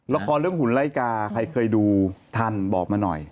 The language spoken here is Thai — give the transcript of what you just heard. ละครเรื่องหุ่นไล่กาใครเคยดูท่านบอกมาหน่อย